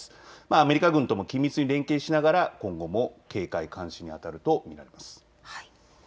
アメリカ軍とも緊密に連携をしながら今後も警戒監視にあたると見られます。